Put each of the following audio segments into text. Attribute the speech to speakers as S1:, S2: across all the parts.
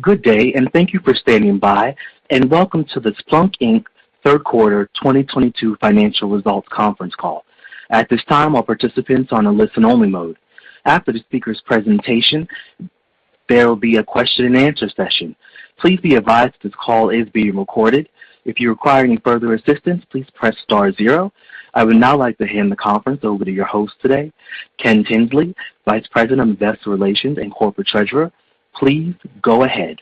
S1: Good day, and thank you for standing by, and welcome to the Splunk Inc. Q3 2022 financial results conference call. At this time, all participants are on a listen only mode. After the speaker's presentation, there will be a question and answer session. Please be advised this call is being recorded. If you require any further assistance, please press star zero. I would now like to hand the conference over to your host today, Ken Tinsley, Vice President of Investor Relations and Corporate Treasurer. Please go ahead.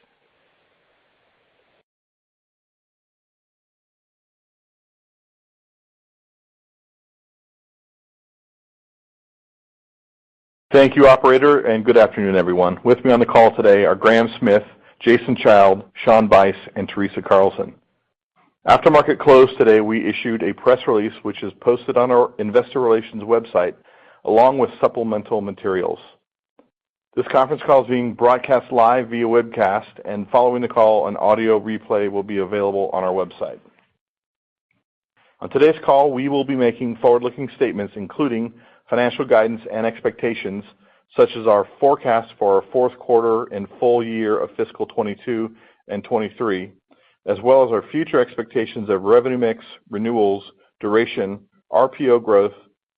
S2: Thank you, operator, and good afternoon, everyone. With me on the call today are Graham Smith, Jason Child, Shawn Bice, and Teresa Carlson. After market close today, we issued a press release which is posted on our investor relations website along with supplemental materials. This conference call is being broadcast live via webcast, and following the call, an audio replay will be available on our website. On today's call, we will be making forward-looking statements, including financial guidance and expectations, such as our forecast for our Q4 and full year of fiscal 2022 and 2023, as well as our future expectations of revenue mix, renewals, duration, RPO growth,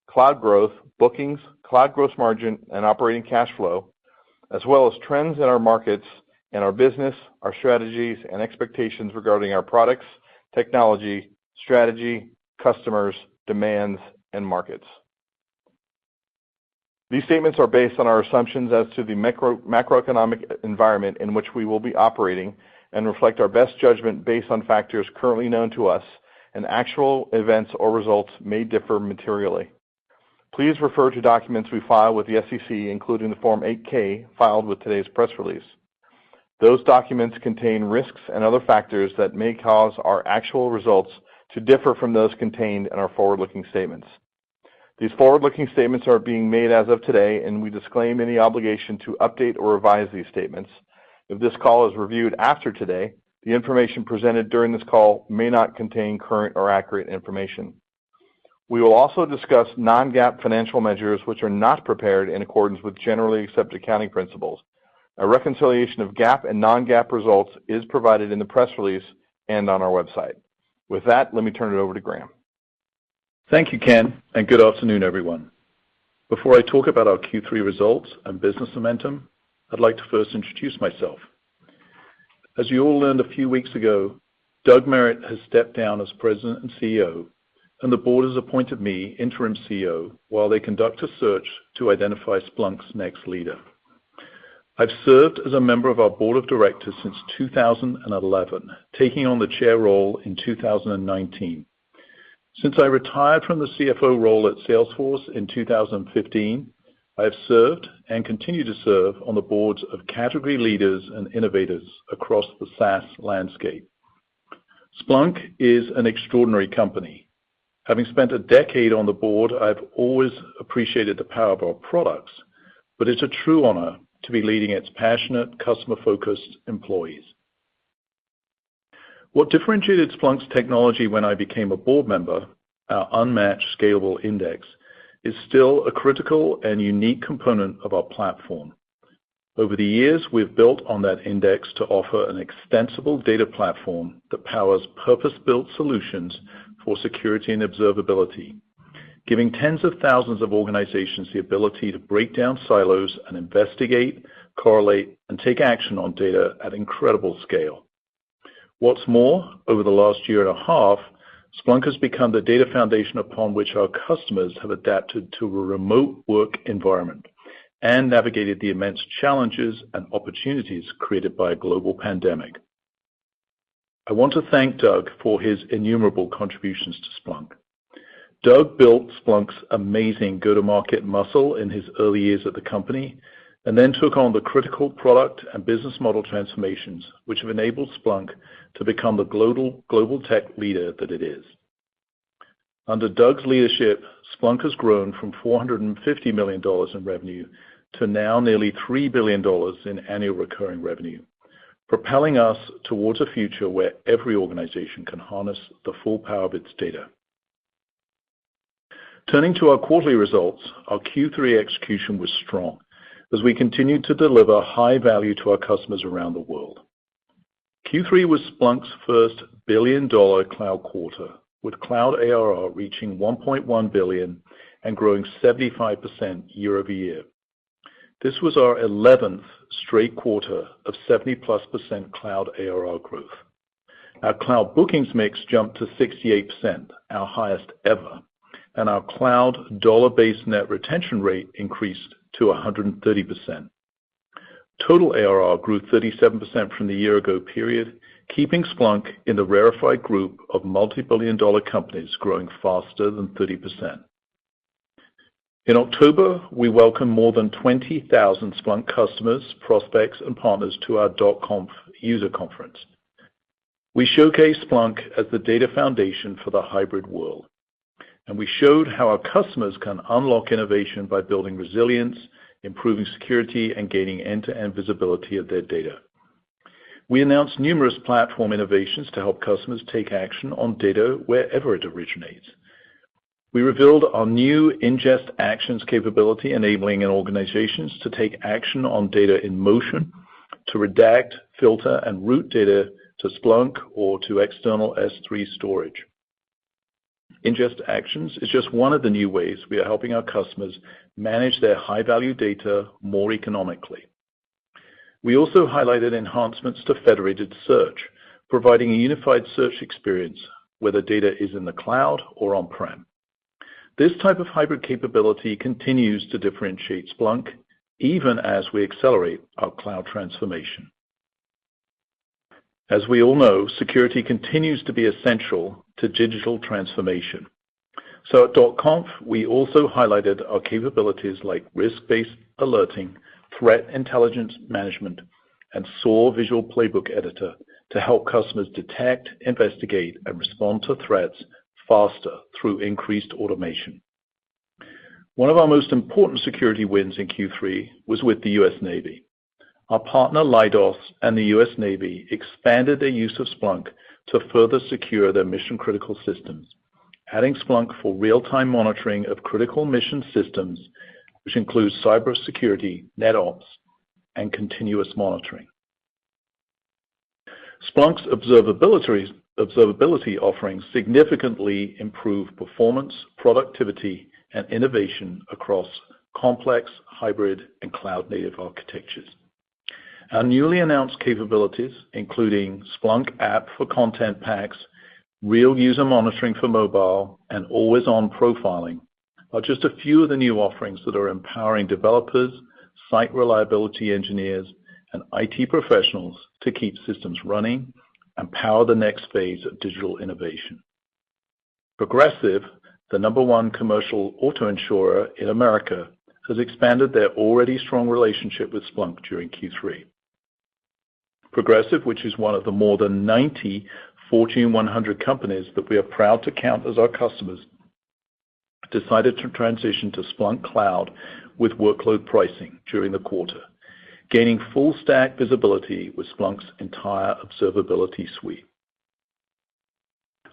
S2: cloud growth, bookings, cloud gross margin, and operating cash flow, as well as trends in our markets and our business, our strategies and expectations regarding our products, technology, strategy, customers, demands, and markets. These statements are based on our assumptions as to the macro, macroeconomic environment in which we will be operating and reflect our best judgment based on factors currently known to us, and actual events or results may differ materially. Please refer to documents we file with the SEC, including the Form 8-K filed with today's press release. Those documents contain risks and other factors that may cause our actual results to differ from those contained in our forward-looking statements. These forward-looking statements are being made as of today, and we disclaim any obligation to update or revise these statements. If this call is reviewed after today, the information presented during this call may not contain current or accurate information. We will also discuss non-GAAP financial measures which are not prepared in accordance with generally accepted accounting principles. A reconciliation of GAAP and non-GAAP results is provided in the press release and on our website. With that, let me turn it over to Graham.
S3: Thank you, Ken, and good afternoon, everyone. Before I talk about our Q3 results and business momentum, I'd like to first introduce myself. As you all learned a few weeks ago, Doug Merritt has stepped down as President and CEO, and the Board has appointed me Interim CEO while they conduct a search to identify Splunk's next leader. I've served as a member of our Board of Directors since 2011, taking on the Chair role in 2019. Since I retired from the CFO role at Salesforce in 2015, I have served and continue to serve on the boards of category leaders and innovators across the SaaS landscape. Splunk is an extraordinary company. Having spent a decade on the board, I've always appreciated the power of our products, but it's a true honor to be leading its passionate, customer-focused employees. What differentiated Splunk's technology when I became a board member, our unmatched scalable index, is still a critical and unique component of our platform. Over the years, we've built on that index to offer an extensible data platform that powers purpose-built solutions for security and observability, giving tens of thousands of organizations the ability to break down silos and investigate, correlate, and take action on data at incredible scale. What's more, over the last year and a half, Splunk has become the data foundation upon which our customers have adapted to a remote work environment and navigated the immense challenges and opportunities created by a global pandemic. I want to thank Doug for his innumerable contributions to Splunk. Doug built Splunk's amazing go-to-market muscle in his early years at the company, and then took on the critical product and business model transformations which have enabled Splunk to become the global tech leader that it is. Under Doug's leadership, Splunk has grown from $450 million in revenue to now nearly $3 billion in annual recurring revenue, propelling us towards a future where every organization can harness the full power of its data. Turning to our quarterly results, our Q3 execution was strong as we continued to deliver high value to our customers around the world. Q3 was Splunk's first billion-dollar cloud quarter, with Cloud ARR reaching $1.1 billion and growing 75% year-over-year. This was our 11th straight quarter of 70%+ Cloud ARR growth. Our cloud bookings mix jumped to 68%, our highest ever, and our cloud dollar-based net retention rate increased to 130%. Total ARR grew 37% from the year ago period, keeping Splunk in the rarefied group of multi-billion dollar companies growing faster than 30%. In October, we welcomed more than 20,000 Splunk customers, prospects, and partners to our .conf user conference. We showcased Splunk as the data foundation for the hybrid world, and we showed how our customers can unlock innovation by building resilience, improving security, and gaining end-to-end visibility of their data. We announced numerous platform innovations to help customers take action on data wherever it originates. We revealed our new Ingest Actions capability enabling an organization to take action on data in motion to redact, filter, and route data to Splunk or to exernal S3 storage. Ingest Actions is just one of the new ways we are helping our customers manage their high value data more economically. We also highlighted enhancements to federated search, providing a unified search experience whether data is in the cloud or on-prem. This type of hybrid capability continues to differentiate Splunk even as we accelerate our cloud transformation. As we all know, security continues to be essential to digital transformation. At .conf, we also highlighted our capabilities like risk-based alerting, threat intelligence management, and SOAR visual playbook editor to help customers detect, investigate, and respond to threats faster through increased automation. One of our most important security wins in Q3 was with the U.S. Navy. Our partner, Leidos, and the U.S. Navy expanded their use of Splunk to further secure their mission-critical systems, adding Splunk for real-time monitoring of critical mission systems, which includes cybersecurity, NetOps, and continuous monitoring. Splunk's observability offerings significantly improve performance, productivity, and innovation across complex hybrid and cloud native architectures. Our newly announced capabilities, including Splunk App for Content Packs, Real User Monitoring for mobile, and Always-On Profiling, are just a few of the new offerings that are empowering developers, site reliability engineers, and IT professionals to keep systems running and power the next phase of digital innovation. Progressive, the No. 1 commercial auto insurer in America, has expanded their already strong relationship with Splunk during Q3. Progressive, which is one of the more than 90 Fortune 100 companies that we are proud to count as our customers, decided to transition to Splunk Cloud with Workload Pricing during the quarter, gaining full stack visibility with Splunk's entire Observability Suite.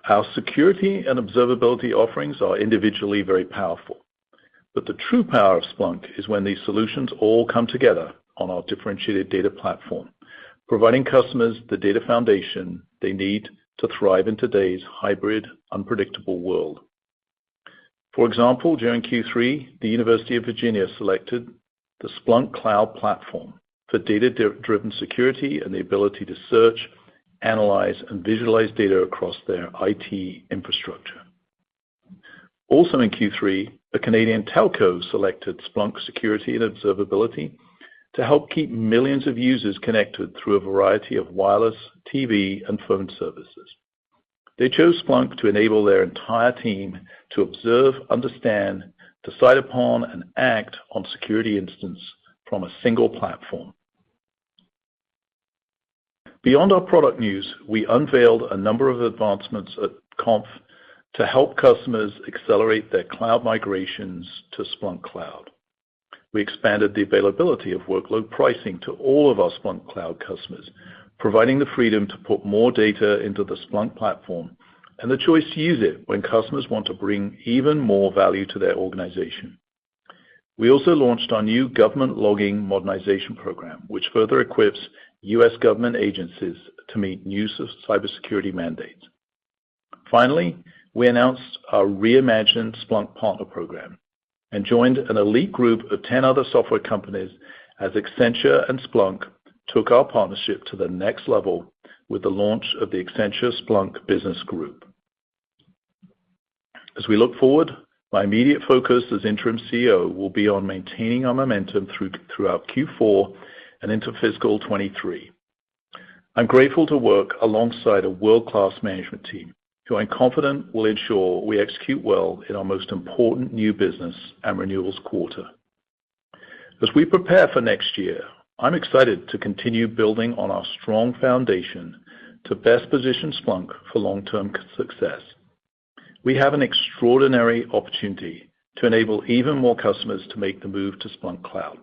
S3: Our security and observability offerings are individually very powerful, but the true power of Splunk is when these solutions all come together on our differentiated data platform, providing customers the data foundation they need to thrive in today's hybrid, unpredictable world. For example, during Q3, the University of Virginia selected the Splunk Cloud Platform for data-driven security and the ability to search, analyze, and visualize data across their IT infrastructure. Also in Q3, a Canadian telco selected Splunk security and observability to help keep millions of users connected through a variety of wireless, TV, and phone services. They chose Splunk to enable their entire team to observe, understand, decide upon, and act on security incidents from a single platform. Beyond our product news, we unveiled a number of advancements at Conf to help customers accelerate their cloud migrations to Splunk Cloud. We expanded the availability of Workload Pricing to all of our Splunk Cloud customers, providing the freedom to put more data into the Splunk platform and the choice to use it when customers want to bring even more value to their organization. We also launched our new Government Logging Modernization Program, which further equips U.S. government agencies to meet new cybersecurity mandates. Finally, we announced our reimagined Splunk partner program and joined an elite group of 10 other software companies as Accenture and Splunk took our partnership to the next level with the launch of the Accenture Splunk Business Group. As we look forward, my immediate focus as Interim CEO will be on maintaining our momentum throughout Q4 and into fiscal 2023. I'm grateful to work alongside a world-class management team who I'm confident will ensure we execute well in our most important new business and renewals quarter. As we prepare for next year, I'm excited to continue building on our strong foundation to best position Splunk for long-term success. We have an extraordinary opportunity to enable even more customers to make the move to Splunk Cloud.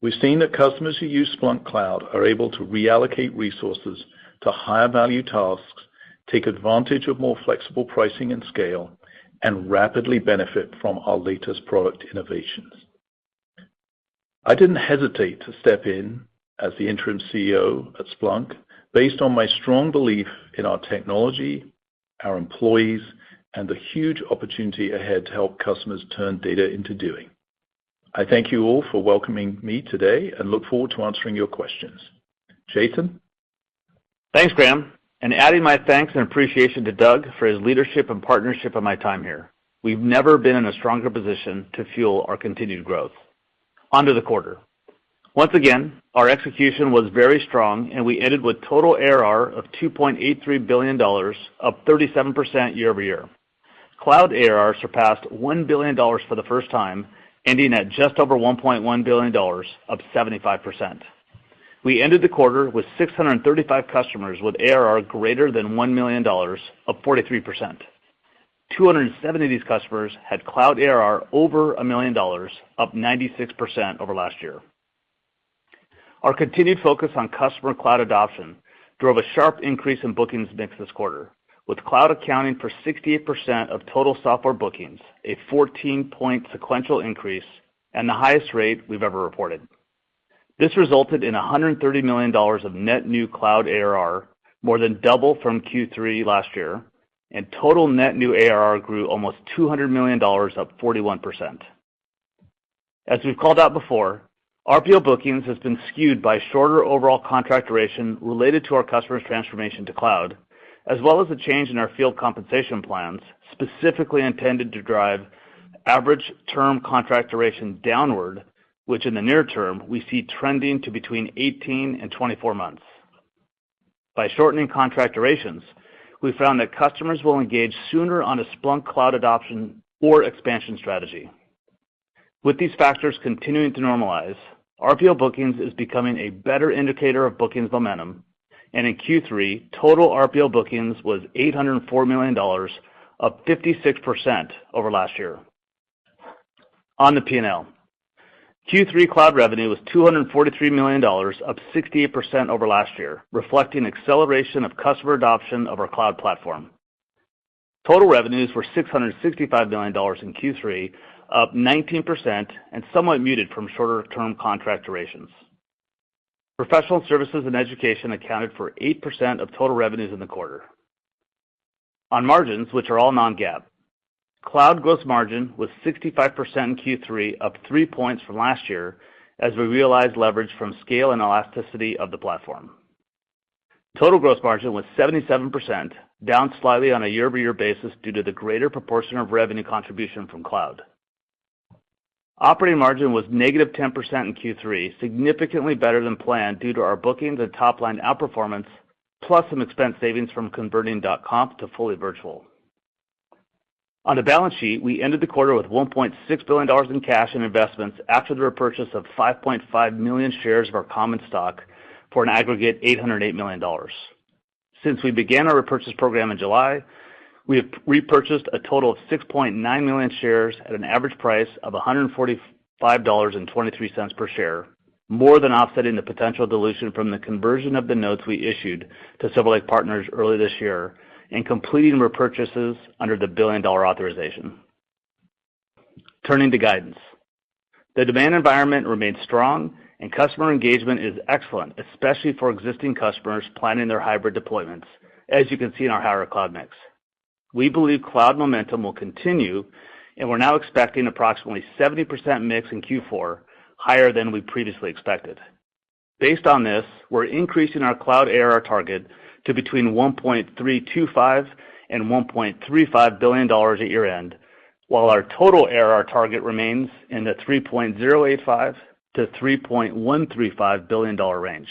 S3: We've seen that customers who use Splunk Cloud are able to reallocate resources to higher value tasks, take advantage of more flexible pricing and scale, and rapidly benefit from our latest product innovations. I didn't hesitate to step in as the Interim CEO at Splunk based on my strong belief in our technology, our employees, and the huge opportunity ahead to help customers turn data into doing. I thank you all for welcoming me today and look forward to answering your questions. Jason?
S4: Thanks, Graham. Adding my thanks and appreciation to Doug for his leadership and partnership in my time here. We've never been in a stronger position to fuel our continued growth. On to the quarter. Once again, our execution was very strong, and we ended with total ARR of $2.83 billion, up 37% year-over-year. Cloud ARR surpassed $1 billion for the first time, ending at just over $1.1 billion, up 75%. We ended the quarter with 635 customers with ARR greater than $1 million, up 43%. 207 of these customers had Cloud ARR over $1 million, up 96% over last year. Our continued focus on customer cloud adoption drove a sharp increase in bookings mix this quarter, with cloud accounting for 68% of total software bookings, a 14-point sequential increase and the highest rate we've ever reported. This resulted in $130 million of net new Cloud ARR, more than double from Q3 last year, and total net new ARR grew almost $200 million, up 41%. As we've called out before, RPO bookings has been skewed by shorter overall contract duration related to our customers transformation to cloud, as well as the change in our field compensation plans, specifically intended to drive average term contract duration downward, which in the near term, we see trending to between 18 and 24 months. By shortening contract durations, we found that customers will engage sooner on a Splunk cloud adoption or expansion strategy. With these factors continuing to normalize, RPO bookings is becoming a better indicator of bookings momentum, and in Q3, total RPO bookings was $804 million, up 56% over last year. On the P&L, Q3 cloud revenue was $243 million, up 68% over last year, reflecting acceleration of customer adoption of our cloud platform. Total revenues were $665 million in Q3, up 19% and somewhat muted from shorter term contract durations. Professional services and education accounted for 8% of total revenues in the quarter. On margins, which are all non-GAAP, cloud gross margin was 65% in Q3, up three points from last year as we realized leverage from scale and elasticity of the platform. Total gross margin was 77%, down slightly on a year-over-year basis due to the greater proportion of revenue contribution from cloud. Operating margin was -10% in Q3, significantly better than planned due to our bookings and top line outperformance, plus some expense savings from converting .conf to fully virtual. On the balance sheet, we ended the quarter with $1.6 billion in cash and investments after the repurchase of 5.5 million shares of our common stock for an aggregate $808 million. Since we began our repurchase program in July, we have repurchased a total of 6.9 million shares at an average price of $145.23 per share, more than offsetting the potential dilution from the conversion of the notes we issued to Silver Lake Partners early this year and completing repurchases under the $1 billion authorization. Turning to guidance. The demand environment remains strong and customer engagement is excellent, especially for existing customers planning their hybrid deployments, as you can see in our higher cloud mix. We believe cloud momentum will continue, and we're now expecting approximately 70% mix in Q4, higher than we previously expected. Based on this, we're increasing our Cloud ARR target to between $1.325 billion and $1.35 billion at year-end, while our total ARR target remains in the $3.085 billion-$3.135 billion range.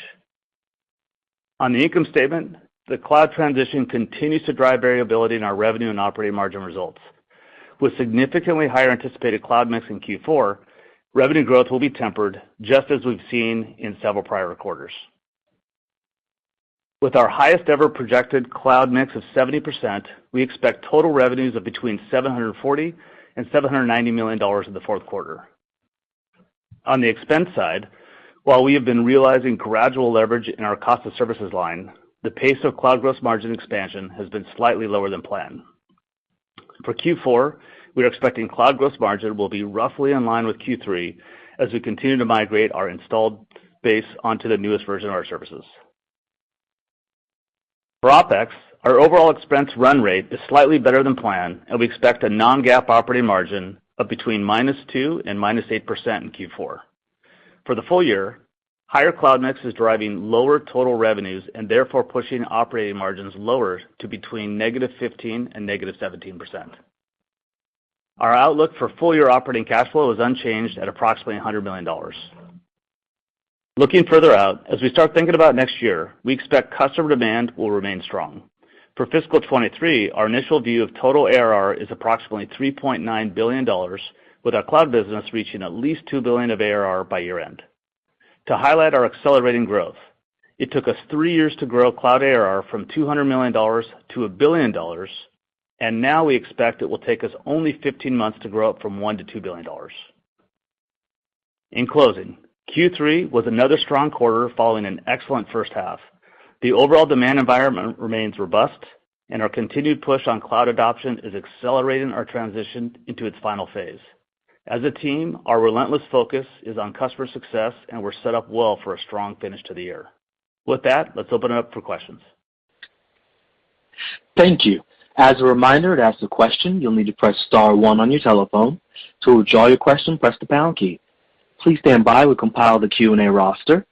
S4: On the income statement, the cloud transition continues to drive variability in our revenue and operating margin results. With significantly higher anticipated cloud mix in Q4, revenue growth will be tempered, just as we've seen in several prior quarters. With our highest ever projected cloud mix of 70%, we expect total revenues of between $740 million and $790 million in the Q4. On the expense side, while we have been realizing gradual leverage in our cost of services line, the pace of cloud gross margin expansion has been slightly lower than planned. For Q4, we're expecting cloud gross margin will be roughly in line with Q3 as we continue to migrate our installed base onto the newest version of our services. For OpEx, our overall expense run rate is slightly better than planned, and we expect a non-GAAP operating margin of between -2% and -8% in Q4. For the full year, higher cloud mix is driving lower total revenues and therefore pushing operating margins lower to between -15% and -17%. Our outlook for full-year operating cash flow is unchanged at approximately $100 million. Looking further out, as we start thinking about next year, we expect customer demand will remain strong. For fiscal 2023, our initial view of total ARR is approximately $3.9 billion, with our cloud business reaching at least $2 billion of ARR by year-end. To highlight our accelerating growth, it took us three years to grow Cloud ARR from $200 million to $1 billion, and now we expect it will take us only 15 months to grow from $1 billion to $2 billion. In closing, Q3 was another strong quarter following an excellent first half. The overall demand environment remains robust, and our continued push on cloud adoption is accelerating our transition into its final phase. As a team, our relentless focus is on customer success, and we're set up well for a strong finish to the year. With that, let's open it up for questions.
S1: Thank you. As a reminder, to ask a question, you'll need to press star one on your telephone. To withdraw your question, press the pound key. Please stand by. We'll compile the Q&A roster.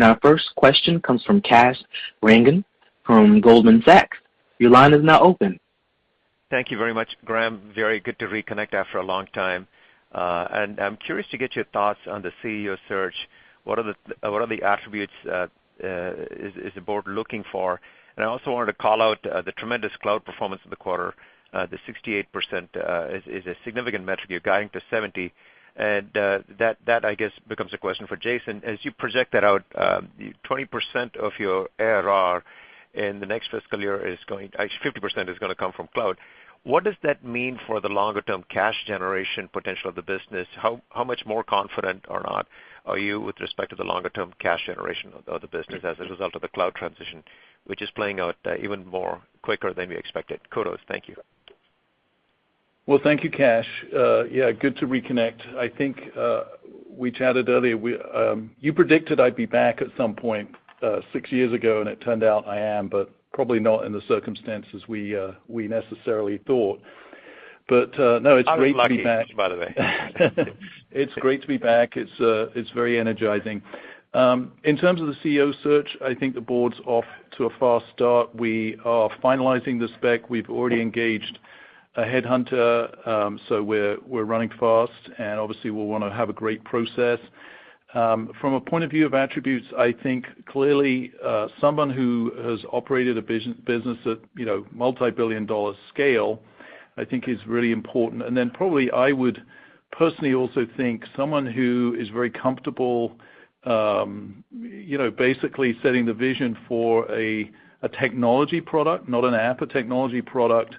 S1: Our first question comes from Kash Rangan from Goldman Sachs. Your line is now open.
S5: Thank you very much, Graham. Very good to reconnect after a long time. I'm curious to get your thoughts on the CEO search. What are the attributes the board is looking for? I also wanted to call out the tremendous cloud performance of the quarter. The 68% is a significant metric. You're guiding to 70%. That I guess becomes a question for Jason. As you project that out, 20% of your ARR in the next fiscal year is going, actually 50% is gonna come from cloud. What does that mean for the longer term cash generation potential of the business? How much more confident or not are you with respect to the longer term cash generation of the business as a result of the cloud transition, which is playing out even more quicker than we expected? Kudos. Thank you.
S3: Well, thank you, Kash. Yeah, good to reconnect. I think we chatted earlier. You predicted I'd be back at some point six years ago, and it turned out I am, but probably not in the circumstances we necessarily thought. No, it's great to be back.
S5: I was lucky, by the way.
S3: It's great to be back. It's very energizing. In terms of the CEO search, I think the board's off to a fast start. We are finalizing the spec. We've already engaged a headhunter, so we're running fast, and obviously we'll wanna have a great process. From a point of view of attributes, I think clearly someone who has operated a business at, you know, multi-billion-dollar scale is really important. I would personally also think someone who is very comfortable, you know, basically setting the vision for a technology product, not an app, a technology product, and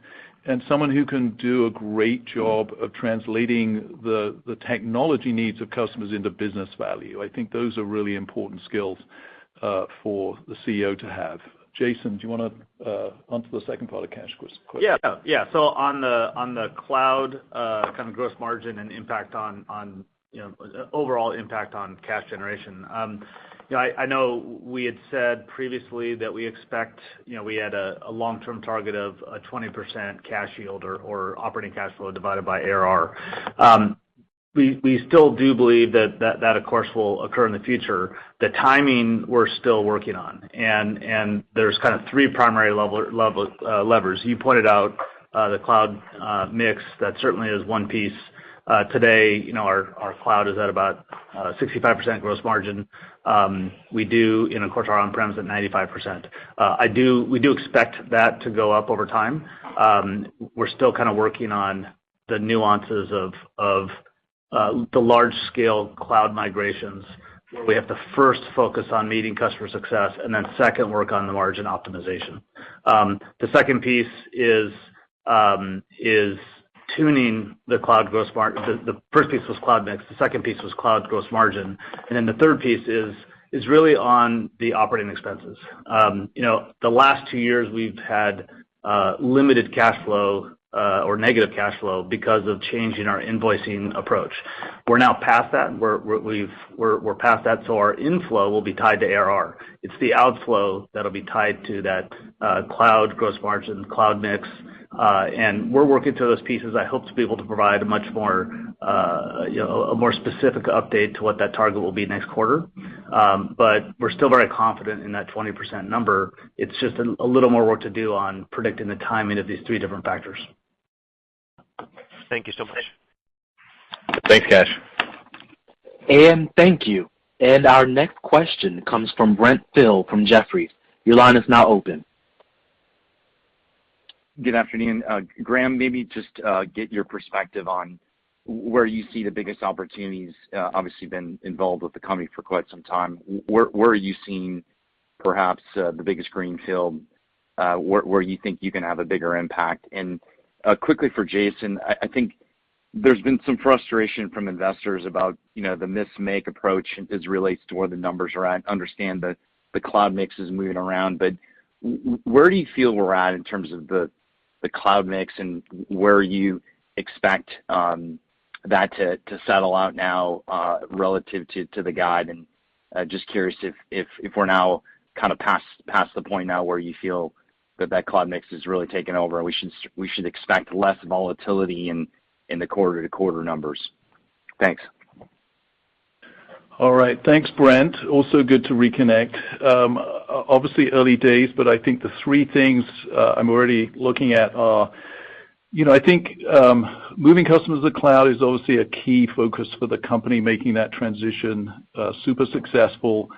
S3: someone who can do a great job of translating the technology needs of customers into business value. I think those are really important skills for the CEO to have. Jason, do you wanna onto the second part of Kash's question?
S4: On the cloud kind of gross margin and impact on, you know, overall impact on cash generation. You know, I know we had said previously that we expect, you know, we had a long-term target of a 20% cash yield or operating cash flow divided by ARR. We still do believe that that of course will occur in the future. The timing, we're still working on. There's kind of three primary level levers. You pointed out the cloud mix, that certainly is one piece. Today, you know, our cloud is at about 65% gross margin. We do, and of course our on-prem is at 95%. We do expect that to go up over time. We're still kinda working on the nuances of the large scale cloud migrations, where we have to first focus on meeting customer success, and then second work on the margin optimization. The first piece was cloud mix, the second piece was cloud gross margin, and then the third piece is really on the operating expenses. You know, the last two years we've had limited cash flow or negative cash flow because of change in our invoicing approach. We're now past that, so our inflow will be tied to ARR. It's the outflow that'll be tied to that, cloud gross margin, cloud mix, and we're working through those pieces. I hope to be able to provide a much more, you know, a more specific update to what that target will be next quarter. We're still very confident in that 20% number. It's just a little more work to do on predicting the timing of these three different factors.
S3: Thank you so much.
S4: Thanks, Kash.
S1: Thank you. Our next question comes from Brent Thill from Jefferies. Your line is now open.
S6: Good afternoon. Graham, maybe just get your perspective on where you see the biggest opportunities, obviously you've been involved with the company for quite some time. Where are you seeing perhaps the biggest greenfield, where you think you can have a bigger impact? Quickly for Jason, I think there's been some frustration from investors about, you know, the mismatch approach as it relates to where the numbers are at. I understand the cloud mix is moving around. Where do you feel we're at in terms of the cloud mix and where you expect that to settle out now, relative to the guide? Just curious if we're now kind of past the point now where you feel that cloud mix has really taken over and we should expect less volatility in the quarter-to-quarter numbers. Thanks.
S3: All right. Thanks, Brent. Also good to reconnect. Obviously early days, but I think the three things I'm already looking at are. You know, I think moving customers to the cloud is obviously a key focus for the company, making that transition super successful.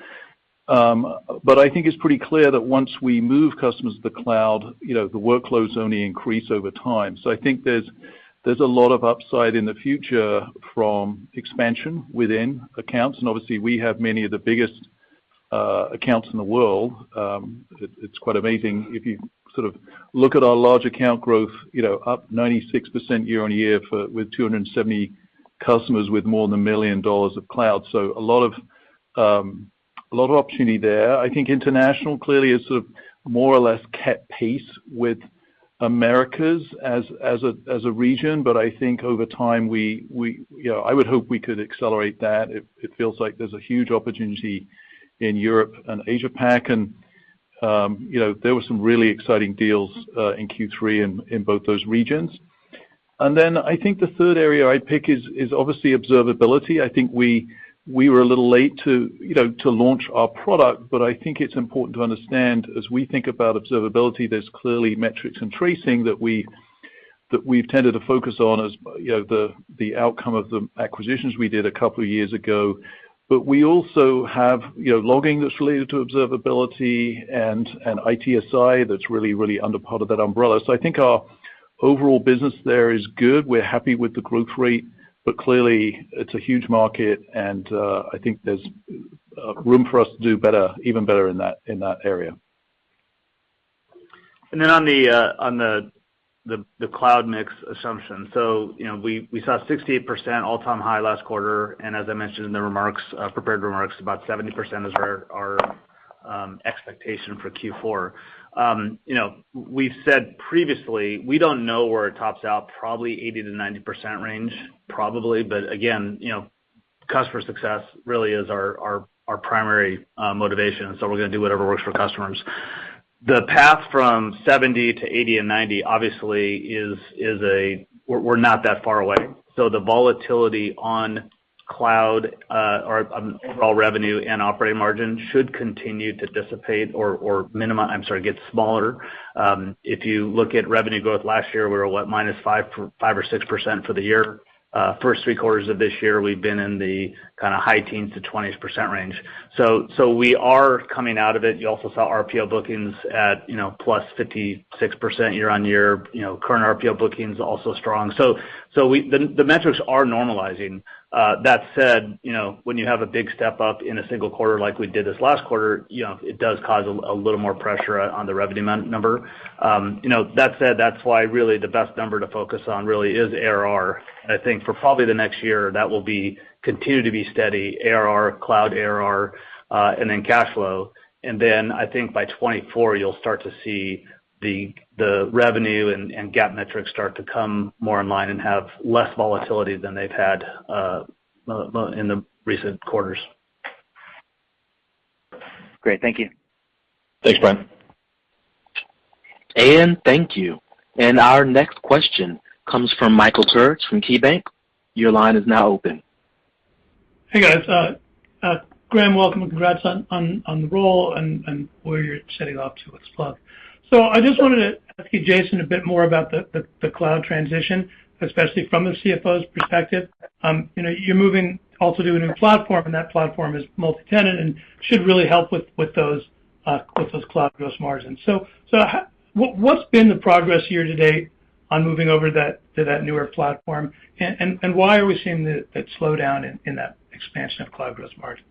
S3: But I think it's pretty clear that once we move customers to the cloud, you know, the workloads only increase over time. I think there's a lot of upside in the future from expansion within accounts. And obviously, we have many of the biggest accounts in the world. It's quite amazing. If you sort of look at our large account growth, you know, up 96% year-over-year with 270 customers with more than $1 million of cloud. So a lot of opportunity there. I think international clearly has sort of more or less kept pace with Americas as a region. I think over time you know I would hope we could accelerate that. It feels like there's a huge opportunity in Europe and Asia Pac. You know there were some really exciting deals in Q3 in both those regions. Then I think the third area I'd pick is obviously observability. I think we were a little late to you know to launch our product, but I think it's important to understand as we think about observability, there's clearly metrics and tracing that we've tended to focus on as you know the outcome of the acquisitions we did a couple of years ago. We also have, you know, logging that's related to observability and ITSI that's really under part of that umbrella. I think our overall business there is good. We're happy with the growth rate, but clearly it's a huge market and I think there's room for us to do better, even better in that area.
S4: On the cloud mix assumption. You know, we saw 68% all-time high last quarter, and as I mentioned in the remarks, prepared remarks, about 70% is our expectation for Q4. You know, we've said previously, we don't know where it tops out, probably 80%-90% range probably. But again, you know, customer success really is our primary motivation, so we're gonna do whatever works for customers. The path from 70% to 80% and 90% obviously is. We're not that far away. So the volatility on cloud or on overall revenue and operating margin should continue to dissipate or get smaller. If you look at revenue growth last year, we were, what, -5% or 6% for the year. First three quarters of this year, we've been in the kinda high teens to 20s% range. We are coming out of it. You also saw RPO bookings at, you know, +56% year-on-year. You know, current RPO bookings also strong. The metrics are normalizing. That said, you know, when you have a big step up in a single quarter like we did this last quarter, you know, it does cause a little more pressure on the revenue number. That said, that's why really the best number to focus on really is ARR. I think for probably the next year, that will continue to be steady ARR, cloud ARR, and then cash flow. I think by 2024, you'll start to see the revenue and GAAP metrics start to come more in line and have less volatility than they've had in the recent quarters.
S6: Great. Thank you.
S4: Thanks, Brent Thill.
S1: Ian, thank you. Our next question comes from Michael Turits from KeyBanc. Your line is now open.
S7: Hey, guys. Graham, welcome and congrats on the role and where you're setting off to at Splunk. I just wanted to ask you, Jason, a bit more about the cloud transition, especially from the CFO's perspective. You know, you're moving also to a new platform, and that platform is multi-tenant and should really help with those cloud gross margins. What's been the progress year to date on moving over that to that newer platform? And why are we seeing that slowdown in that expansion of cloud gross margins?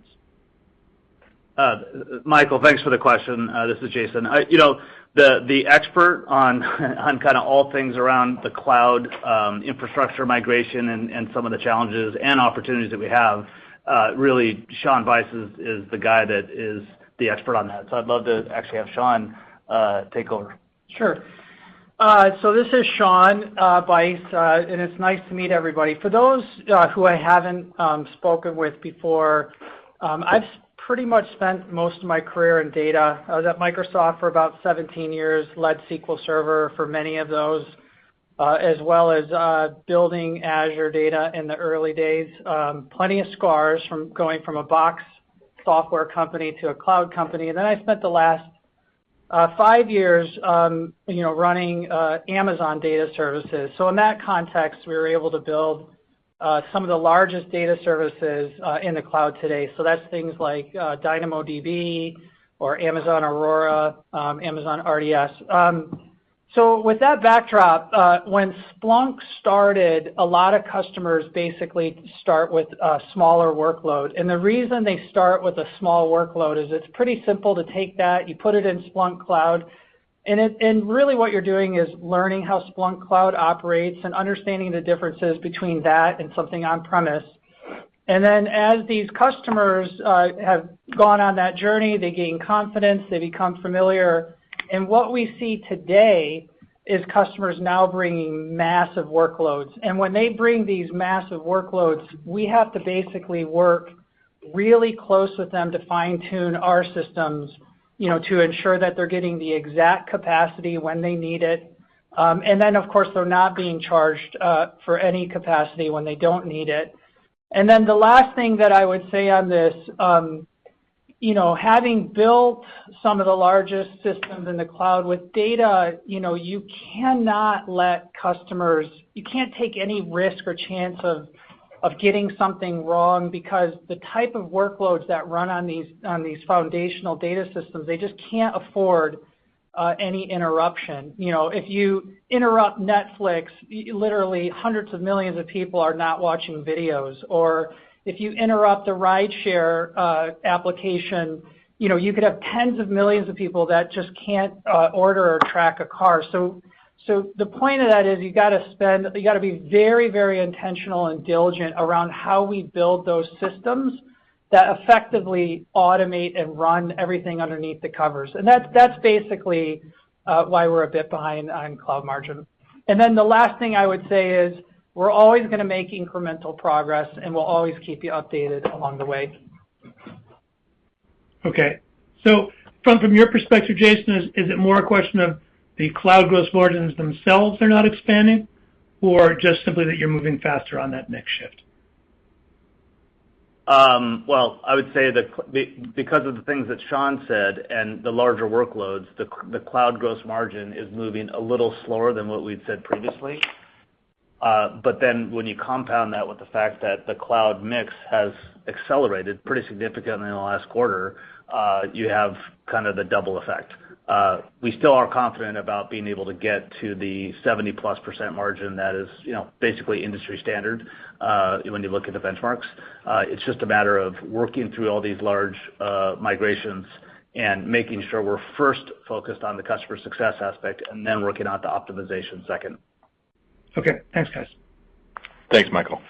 S4: Michael, thanks for the question. This is Jason. You know, the expert on kinda all things around the cloud infrastructure migration and some of the challenges and opportunities that we have. Really, Shawn Bice is the guy that is the expert on that. I'd love to actually have Shawn Bice take over.
S8: Sure. This is Shawn Bice, and it's nice to meet everybody. For those who I haven't spoken with before, I've pretty much spent most of my career in data. I was at Microsoft for about 17 years, led SQL Server for many of those, as well as building Azure data in the early days. Plenty of scars from going from a box software company to a cloud company. I spent the last 5 years, you know, running Amazon data services. In that context, we were able to build some of the largest data services in the cloud today. That's things like DynamoDB or Amazon Aurora, Amazon RDS. With that backdrop, when Splunk started, a lot of customers basically start with a smaller workload. The reason they start with a small workload is it's pretty simple to take that, you put it in Splunk Cloud. Really what you're doing is learning how Splunk Cloud operates and understanding the differences between that and something on-premises. Then as these customers have gone on that journey, they gain confidence, they become familiar. What we see today is customers now bringing massive workloads. When they bring these massive workloads, we have to basically work really close with them to fine-tune our systems, you know, to ensure that they're getting the exact capacity when they need it. Then, of course, they're not being charged for any capacity when they don't need it. The last thing that I would say on this, you know, having built some of the largest systems in the cloud with data, you know, you cannot let customers. You can't take any risk or chance of getting something wrong because the type of workloads that run on these foundational data systems, they just can't afford any interruption. You know, if you interrupt Netflix, literally hundreds of millions of people are not watching videos. Or if you interrupt a rideshare application, you know, you could have tens of millions of people that just can't order or track a car. So the point of that is you gotta be very, very intentional and diligent around how we build those systems that effectively automate and run everything underneath the covers. That's basically why we're a bit behind on cloud margin. The last thing I would say is we're always gonna make incremental progress, and we'll always keep you updated along the way.
S7: Okay. From your perspective, Jason, is it more a question of the cloud gross margins themselves are not expanding, or just simply that you're moving faster on that mix shift?
S4: Well, I would say because of the things that Shawn said and the larger workloads, the cloud gross margin is moving a little slower than what we'd said previously. But then when you compound that with the fact that the cloud mix has accelerated pretty significantly in the last quarter, you have kind of the double effect. We still are confident about being able to get to the 70%+ margin that is, you know, basically industry standard, when you look at the benchmarks. It's just a matter of working through all these large migrations and making sure we're first focused on the customer success aspect and then working out the optimization second.
S7: Okay. Thanks, guys.
S4: Thanks, Michael.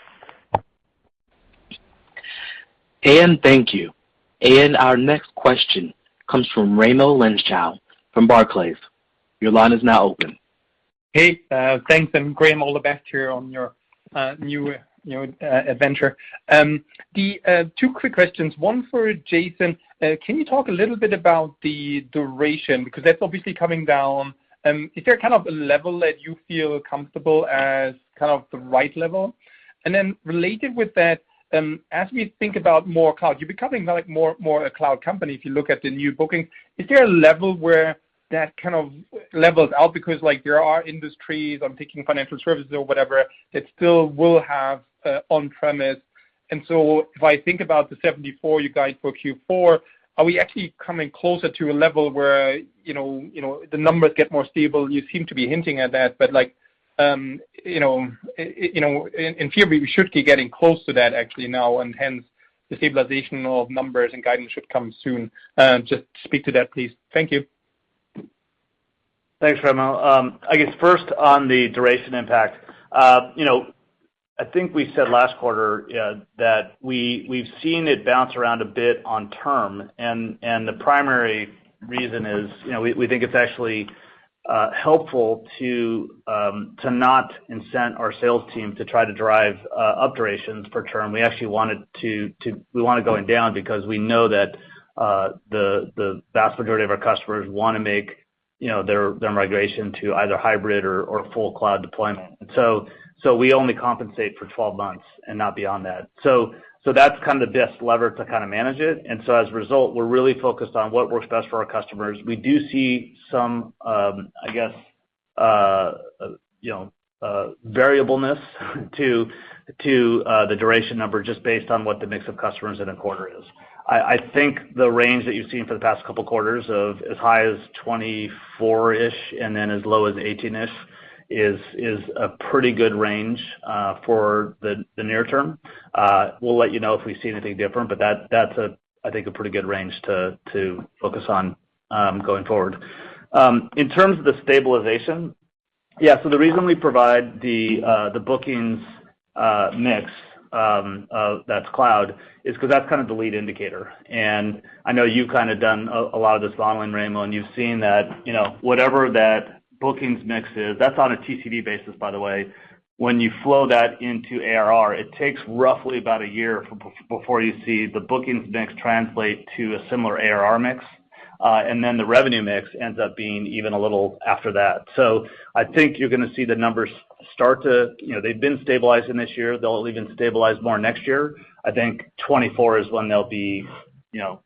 S1: uncertian, thank you. And, our next question comes from Raimo Lenschow from Barclays. Your line is now open.
S9: Hey, thanks, and Graham, all the best to you on your new you know adventure. The two quick questions, one for Jason. Can you talk a little bit about the duration? Because that's obviously coming down. Is there kind of a level that you feel comfortable as kind of the right level? And then related with that, as we think about more cloud, you're becoming like more a cloud company if you look at the new booking. Is there a level where that kind of levels out? Because, like, there are industries, I'm thinking financial services or whatever, that still will have on-premise. And so if I think about the 74 you guide for Q4, are we actually coming closer to a level where you know the numbers get more stable? You seem to be hinting at that. Like, you know, in theory, we should be getting close to that actually now, and hence the stabilization of numbers and guidance should come soon. Just speak to that, please. Thank you.
S4: Thanks, Raimo. I guess first on the duration impact, you know, I think we said last quarter that we've seen it bounce around a bit on term, and the primary reason is, you know, we think it's actually helpful to not incent our sales team to try to drive up durations for term. We actually wanted to, we want it going down because we know that the vast majority of our customers wanna make, you know, their migration to either hybrid or full cloud deployment. So we only compensate for 12 months and not beyond that. So that's kind of the best lever to kinda manage it. As a result, we're really focused on what works best for our customers. We do see some, I guess, you know, variability to the duration number just based on what the mix of customers in a quarter is. I think the range that you've seen for the past couple quarters of as high as 24-ish and then as low as 18-ish is a pretty good range for the near term. We'll let you know if we see anything different, but that's, I think, a pretty good range to focus on going forward. In terms of the stabilization, yeah, the reason we provide the bookings mix of that cloud is 'cause that's kind of the lead indicator. I know you've kinda done a lot of this modeling, Raimo, and you've seen that, you know, whatever that bookings mix is, that's on a TCV basis, by the way. When you flow that into ARR, it takes roughly about a year before you see the bookings mix translate to a similar ARR mix. Then the revenue mix ends up being even a little after that. I think you're gonna see the numbers start to. You know, they've been stabilizing this year. They'll even stabilize more next year. I think 2024 is when they'll be, you know,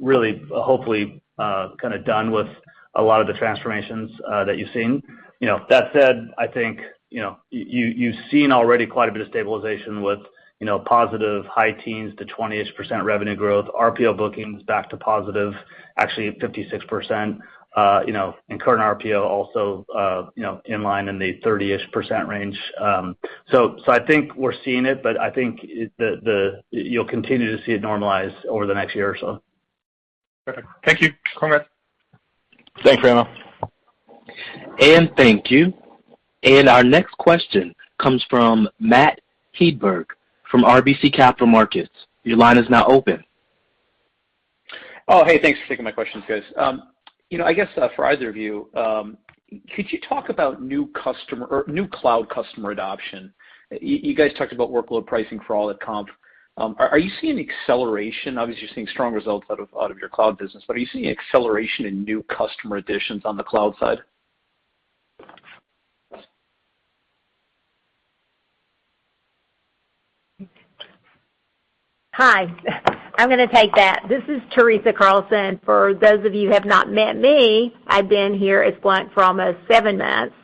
S4: really, hopefully, kinda done with a lot of the transformations that you've seen. You know, that said, I think, you know, you've seen already quite a bit of stabilization with, you know, positive high teens to 20-ish% revenue growth, RPO bookings back to positive, actually at 56%, you know, and current RPO also, you know, in line in the 30-ish% range. So, I think we're seeing it, but I think you'll continue to see it normalize over the next year or so.
S9: Perfect. Thank you. Congrats.
S4: Thanks, Raimo.
S1: Anne, thank you. Anne, our next question comes from Matt Hedberg from RBC Capital Markets. Your line is now open.
S10: Oh, hey, thanks for taking my questions, guys. You know, I guess, for either of you, could you talk about new customer or new cloud customer adoption? You guys talked about Workload Pricing for all at .conf. Are you seeing acceleration? Obviously, you're seeing strong results out of your cloud business, but are you seeing acceleration in new customer additions on the cloud side?
S11: Hi. I'm gonna take that. This is Teresa Carlson. For those of you who have not met me, I've been here at Splunk for almost 7 months,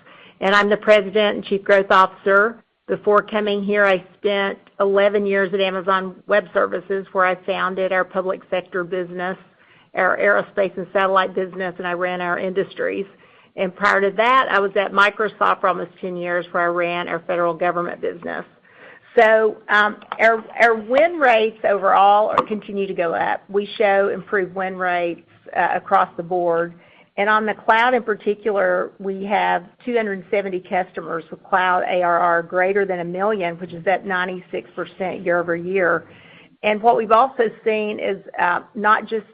S11: and I'm the President and Chief Growth Officer. Before coming here, I spent 11 years at Amazon Web Services, where I founded our public sector business, our aerospace and satellite business, and I ran our industries. Prior to that, I was at Microsoft for almost 10 years, where I ran our federal government business. Our win rates overall continue to go up. We show improved win rates across the board. On the cloud in particular, we have 270 customers with Cloud ARR greater than $1 million, which is at 96% year-over-year. What we've also seen is, not just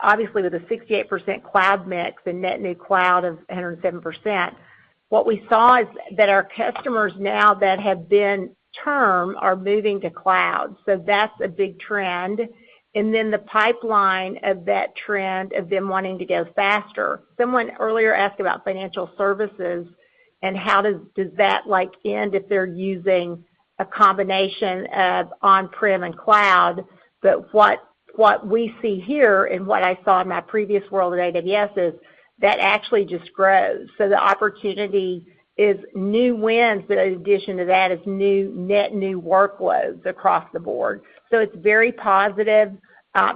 S11: obviously, with a 68% cloud mix and net new cloud of 107%, what we saw is that our customers now that have been term are moving to cloud. That's a big trend. Then the pipeline of that trend of them wanting to go faster. Someone earlier asked about financial services and how does that like end if they're using a combination of on-prem and cloud. What we see here and what I saw in my previous world at AWS is that actually just grows. The opportunity is new wins, but in addition to that is net new workloads across the board. It's very positive,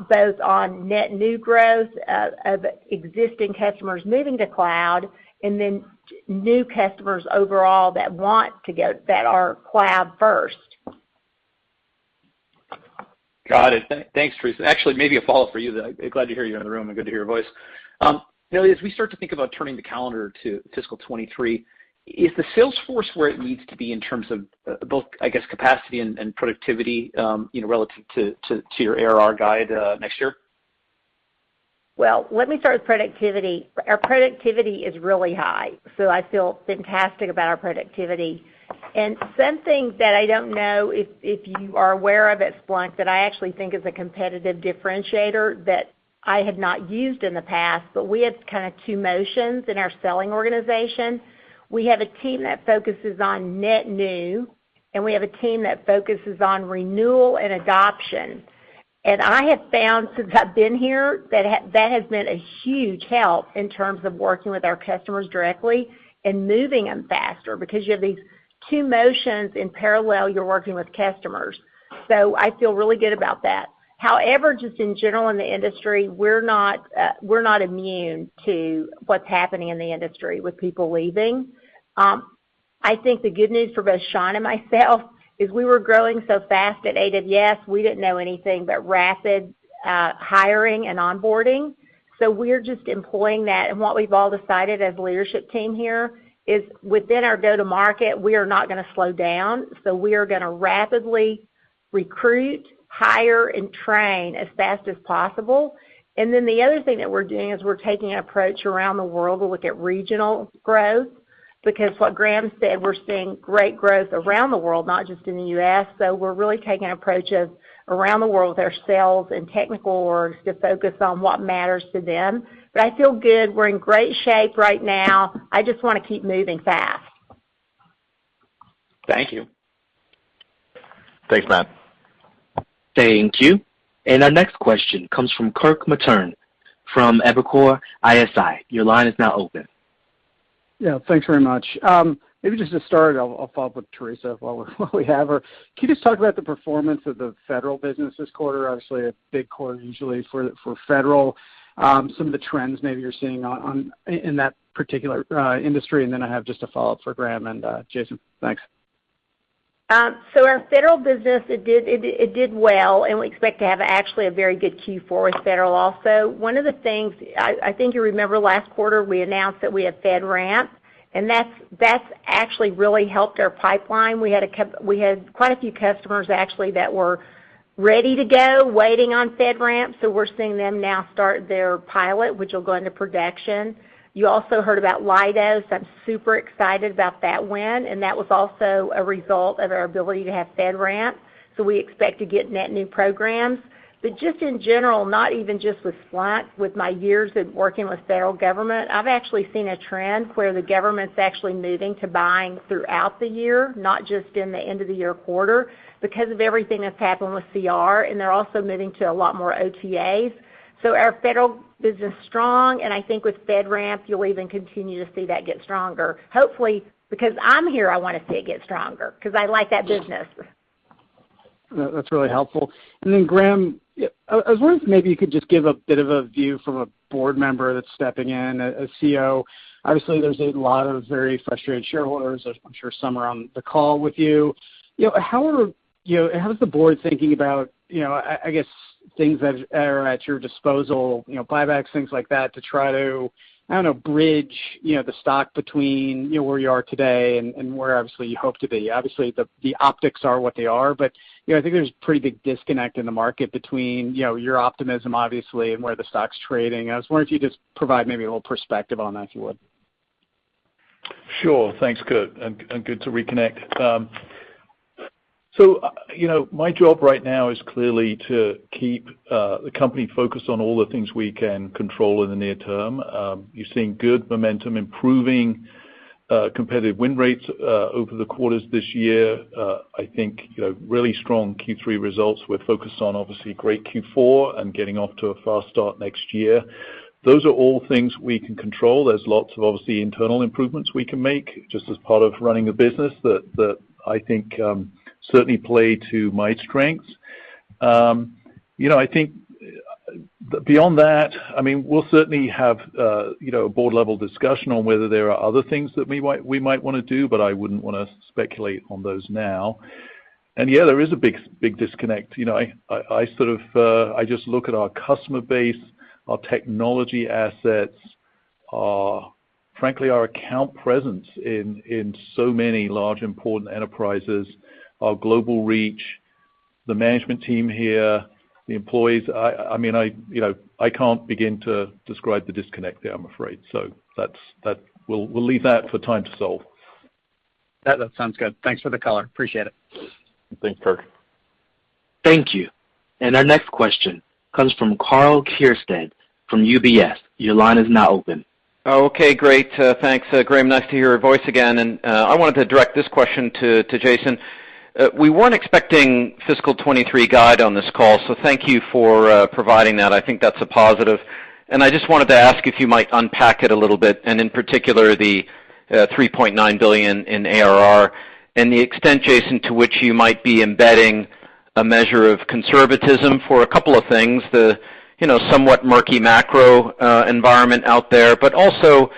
S11: both on net new growth of existing customers moving to cloud and then new customers overall that are cloud-first.
S10: Got it. Thanks, Teresa. Actually, maybe a follow-up for you then. Glad to hear you're in the room and good to hear your voice. You know, as we start to think about turning the calendar to fiscal 2023, is the sales force where it needs to be in terms of both, I guess, capacity and productivity, you know, relative to your ARR guide next year?
S11: Well, let me start with productivity. Our productivity is really high, so I feel fantastic about our productivity. Something that I don't know if you are aware of at Splunk that I actually think is a competitive differentiator that I have not used in the past, but we have kind of two motions in our selling organization. We have a team that focuses on net new, and we have a team that focuses on renewal and adoption. I have found since I've been here that that has been a huge help in terms of working with our customers directly and moving them faster because you have these two motions in parallel, you're working with customers. I feel really good about that. However, just in general in the industry, we're not, we're not immune to what's happening in the industry with people leaving. I think the good news for both Shawn and myself is we were growing so fast at AWS, we didn't know anything but rapid hiring and onboarding. We're just employing that. What we've all decided as leadership team here is within our go-to-market, we are not gonna slow down. We are gonna rapidly recruit, hire, and train as fast as possible. The other thing that we're doing is we're taking an approach around the world to look at regional growth. Because what Graham said, we're seeing great growth around the world, not just in the U.S. We're really taking an approach of around the world with our sales and technical orgs to focus on what matters to them. I feel good. We're in great shape right now. I just wanna keep moving fast.
S10: Thank you.
S3: Thanks, Matt.
S1: Thank you. Our next question comes from Kirk Materne from Evercore ISI. Your line is now open.
S12: Yeah. Thanks very much. Maybe just to start, I'll follow up with Teresa while we have her. Can you just talk about the performance of the federal business this quarter? Obviously, a big quarter usually for federal. Some of the trends maybe you're seeing in that particular industry. I have just a follow-up for Graham and Jason. Thanks.
S11: Our federal business, it did well, and we expect to have actually a very good Q4 with federal also. One of the things I think you remember last quarter, we announced that we have FedRAMP, and that's actually really helped our pipeline. We had quite a few customers actually that were ready to go, waiting on FedRAMP, so we're seeing them now start their pilot, which will go into production. You also heard about Leidos. I'm super excited about that win, and that was also a result of our ability to have FedRAMP. We expect to get net new programs. Just in general, not even just with Splunk, with my years in working with federal government, I've actually seen a trend where the government's actually moving to buying throughout the year, not just in the end of the year quarter, because of everything that's happened with CR, and they're also moving to a lot more OTAs. Our federal business is strong, and I think with FedRAMP, you'll even continue to see that get stronger. Hopefully, because I'm here, I wanna see it get stronger 'cause I like that business.
S12: That's really helpful. Then Graham, I was wondering if maybe you could just give a bit of a view from a board member that's stepping in, a CEO. Obviously, there's a lot of very frustrated shareholders. I'm sure some are on the call with you. You know, how is the board thinking about, you know, I guess things that are at your disposal, you know, buybacks, things like that, to try to, I don't know, bridge, you know, the stock between, you know, where you are today and where obviously you hope to be? Obviously, the optics are what they are, but, you know, I think there's a pretty big disconnect in the market between, you know, your optimism obviously and where the stock's trading. I was wondering if you could just provide maybe a little perspective on that, if you would.
S3: Sure. Thanks, Kirk, and good to reconnect. So, you know, my job right now is clearly to keep the company focused on all the things we can control in the near term. You're seeing good momentum, improving competitive win rates over the quarters this year. I think, you know, really strong Q3 results. We're focused on obviously great Q4 and getting off to a fast start next year. Those are all things we can control. There's lots of obviously internal improvements we can make just as part of running a business that I think certainly play to my strengths. You know, I think beyond that, I mean, we'll certainly have you know, a board-level discussion on whether there are other things that we might wanna do, but I wouldn't wanna speculate on those now. Yeah, there is a big disconnect. I sort of just look at our customer base, our technology assets, frankly, our account presence in so many large important enterprises, our global reach, the management team here, the employees. I mean, I can't begin to describe the disconnect there, I'm afraid. That's. We'll leave that for time to solve.
S12: That sounds good. Thanks for the color. Appreciate it.
S3: Thanks, Kirk.
S1: Thank you. Our next question comes from Karl Keirstead from UBS. Your line is now open.
S13: Okay, great. Thanks, Graham. Nice to hear your voice again. I wanted to direct this question to Jason. We weren't expecting fiscal 2023 guide on this call, so thank you for providing that. I think that's a positive. I just wanted to ask if you might unpack it a little bit, and in particular, the $3.9 billion in ARR, and the extent, Jason, to which you might be embedding a measure of conservatism for a couple of things. The you know, somewhat murky macro environment out there, but also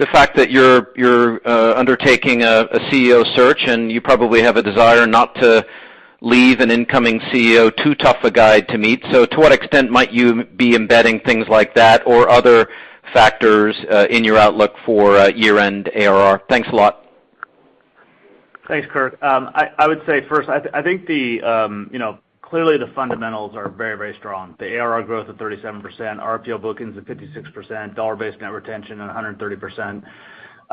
S13: The fact that you're undertaking a CEO search, and you probably have a desire not to leave an incoming CEO too tough a guide to meet. To what extent might you be embedding things like that or other factors in your outlook for year-end ARR? Thanks a lot.
S4: Thanks, Karl. I think the, you know, clearly the fundamentals are very, very strong. The ARR growth of 37%, RPO bookings of 56%, dollar-based net retention at 130%.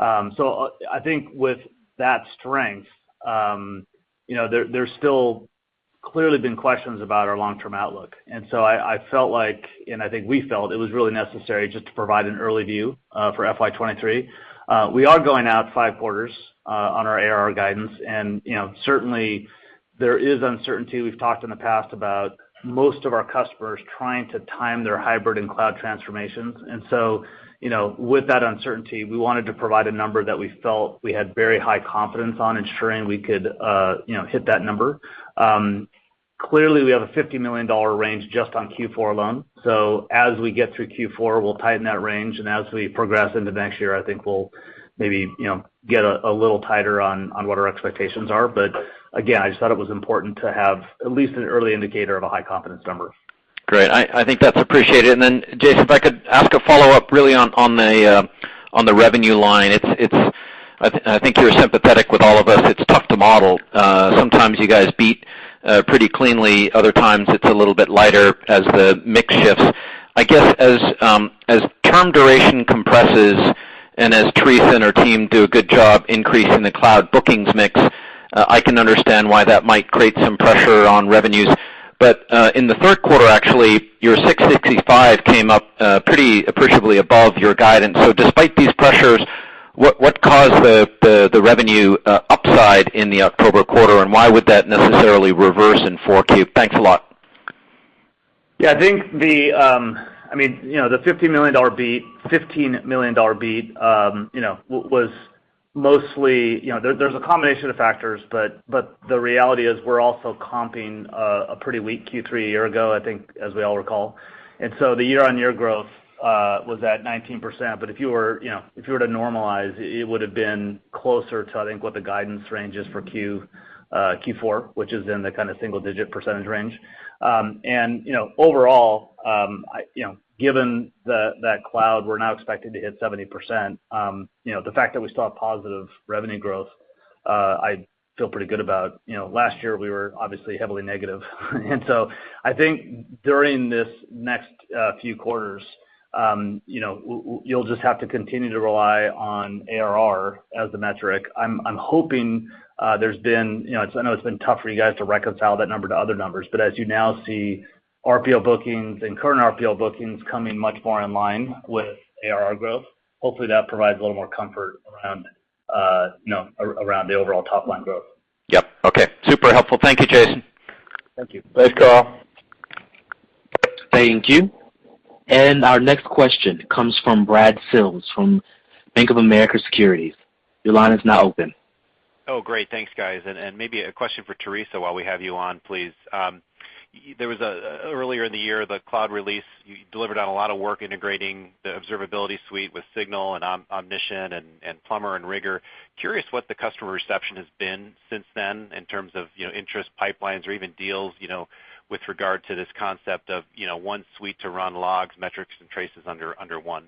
S4: I think with that strength, you know, there's still clearly been questions about our long-term outlook. I felt like, and I think we felt it was really necessary just to provide an early view for FY 2023. We are going out five quarters on our ARR guidance and, you know, certainly there is uncertainty. We've talked in the past about most of our customers trying to time their hybrid and cloud transformations. With that uncertainty, we wanted to provide a number that we felt we had very high confidence on ensuring we could, you know, hit that number. Clearly, we have a $50 million range just on Q4 alone. As we get through Q4, we'll tighten that range, and as we progress into next year, I think we'll maybe, you know, get a little tighter on what our expectations are. Again, I just thought it was important to have at least an early indicator of a high confidence number.
S13: Great. I think that's appreciated. Jason, if I could ask a follow-up really on the revenue line. I think you're sympathetic with all of us. It's tough to model. Sometimes you guys beat pretty cleanly, other times it's a little bit lighter as the mix shifts. I guess as term duration compresses, and as Teresa and her team do a good job increasing the cloud bookings mix, I can understand why that might create some pressure on revenues. In the Q3, actually, your $665 came up pretty appreciably above your guidance. Despite these pressures, what caused the revenue upside in the October quarter, and why would that necessarily reverse in 4Q? Thanks a lot.
S4: Yeah. I think the, I mean, you know, the $50 million beat, $15 million beat, you know, was mostly, you know. There's a combination of factors, but the reality is we're also comping a pretty weak Q3 a year ago, I think, as we all recall. The year-on-year growth was at 19%. If you were, you know, to normalize, it would have been closer to, I think, what the guidance range is for Q4, which is in the kind of single-digit percentage range. Overall, you know, I, you know, given that cloud, we're now expected to hit 70%, you know, the fact that we saw positive revenue growth, I feel pretty good about. You know, last year we were obviously heavily negative. I think during this next few quarters, you'll just have to continue to rely on ARR as the metric. I'm hoping, you know, I know it's been tough for you guys to reconcile that number to other numbers, but as you now see RPO bookings and current RPO bookings coming much more in line with ARR growth, hopefully that provides a little more comfort around, you know, around the overall top-line growth.
S13: Yep. Okay. Super helpful. Thank you, Jason.
S4: Thank you.
S3: Thanks, Karl.
S1: Thank you. Our next question comes from Brad Sills from BofA Securities. Your line is now open.
S14: Oh, great. Thanks, guys. Maybe a question for Teresa while we have you on, please. There was earlier in the year, the cloud release, you delivered on a lot of work integrating the Observability Suite with SignalFx and Omnition and Plumbr and Rigor. Curious what the customer reception has been since then in terms of, you know, interest pipelines or even deals, you know, with regard to this concept of, you know, one suite to run logs, metrics, and traces under one.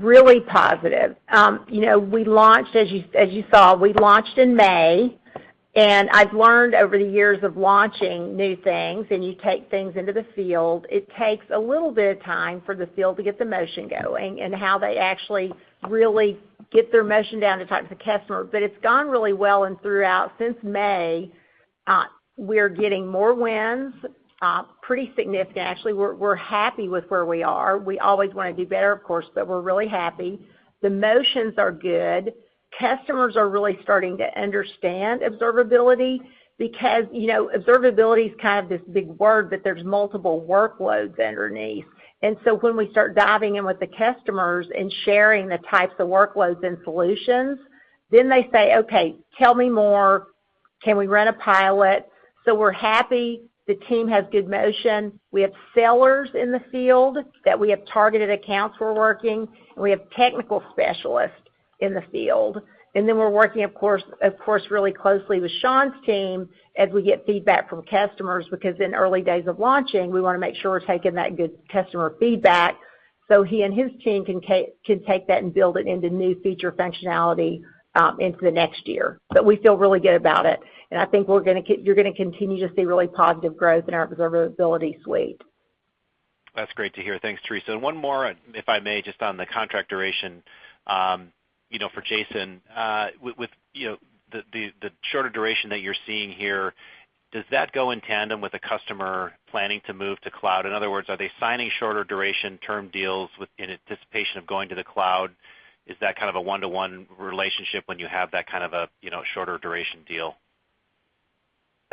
S11: Really positive. We launched, as you saw, in May. I've learned over the years of launching new things, and you take things into the field, it takes a little bit of time for the field to get the motion going and how they actually really get their motion down to talk to the customer. It's gone really well. Throughout since May, we're getting more wins, pretty significant actually. We're happy with where we are. We always wanna do better, of course, but we're really happy. The motions are good. Customers are really starting to understand observability because, you know, observability is kind of this big word, but there's multiple workloads underneath. When we start diving in with the customers and sharing the types of workloads and solutions, then they say, "Okay, tell me more. Can we run a pilot? We're happy the team has good motion. We have sellers in the field that we have targeted accounts we're working, and we have technical specialists in the field. We're working, of course, really closely with Shawn team as we get feedback from customers, because in early days of launching, we wanna make sure we're taking that good customer feedback so he and his team can take that and build it into new feature functionality, into the next year. We feel really good about it, and I think you're gonna continue to see really positive growth in our Splunk Observability Suite.
S14: That's great to hear. Thanks, Teresa. One more, if I may, just on the contract duration, you know, for Jason. With you know, the shorter duration that you're seeing here, does that go in tandem with the customer planning to move to cloud? In other words, are they signing shorter duration term deals in anticipation of going to the cloud? Is that kind of a one-to-one relationship when you have that kind of a, you know, shorter duration deal?